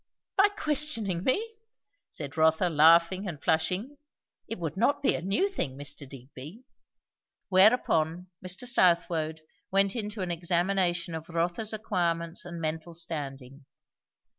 "By questioning me?" said Rotha laughing and flushing. "It would not be a new thing, Mr. Digby." Whereupon Mr. Southwode went into an examination of Rotha's acquirements and mental standing.